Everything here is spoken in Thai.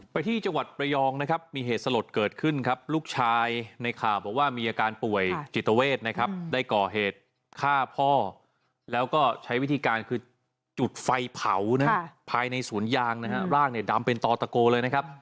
ที่จังหวัดระยองนะครับมีเหตุสลดเกิดขึ้นครับลูกชายในข่าวบอกว่ามีอาการป่วยจิตเวทนะครับได้ก่อเหตุฆ่าพ่อแล้วก็ใช้วิธีการคือจุดไฟเผานะฮะภายในสวนยางนะฮะร่างเนี่ยดำเป็นต่อตะโกเลยนะครับ